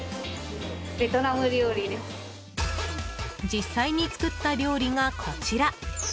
実際に作った料理がこちら。